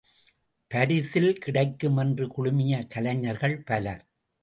பரிசில் கிடைக்கும் என்று குழுமிய கலைஞர்கள் பலர்.